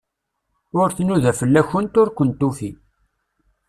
Ur tnuda fell-akent, ur kent-tufi.